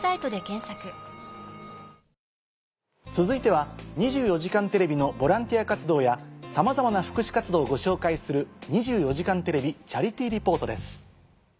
続いては『２４時間テレビ』のボランティア活動やさまざまな福祉活動をご紹介する。